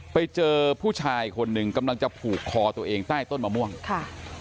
ไปเจอผู้ชายคนหนึ่งกำลังจะผูกคอตัวเองใต้ต้นมะม่วงค่ะ